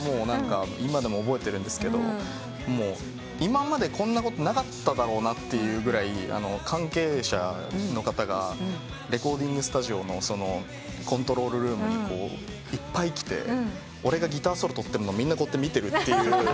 今でも覚えてるんですけど今までこんなことなかっただろうなってぐらい関係者の方がレコーディングスタジオのコントロールルームにいっぱい来て俺がギターソロとってるのみんな見てるという。